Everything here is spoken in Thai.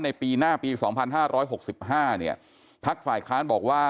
ปีหน้าปี๒๕๖๕เนี่ยพักฝ่ายค้านบอกว่า